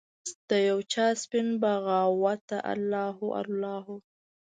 د یوچا سپین بغاوته الله هو، الله هو